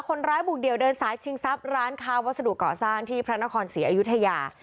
คนร้ายบุกเดี่ยวเดินสายชิงทรัพย์ร้านค้าวัสดุเกาะสร้างที่พระนครศรีอยุธยา